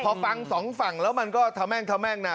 พอฟังสองฝั่งแล้วมันก็ทะแม่งทะแม่งนะ